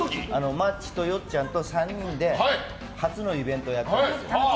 マッチとヨッちゃんと３人で初のイベントやったんですよ。